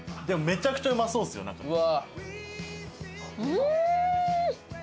でもめちゃくちゃうまそうですよなんか。